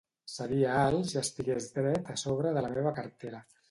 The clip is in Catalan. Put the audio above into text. Seria alt si estigués dret a sobre la meva cartera.